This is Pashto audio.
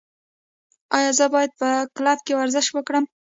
ایا زه باید په کلب کې ورزش وکړم؟